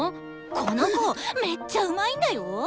この子めっちゃうまいんだよ。